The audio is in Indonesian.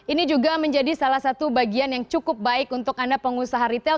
ini juga menjadi salah satu bagian yang cukup baik untuk anda pengusaha retail